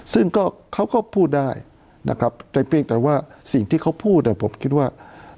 ซึ่งเขาก็พูดได้แต่ว่าสิ่งที่เขาพูดผมคิดว่า